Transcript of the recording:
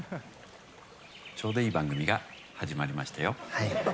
ちょうどいい番組が始まりましたよ。